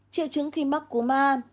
triệu chứng khi mắc cô ma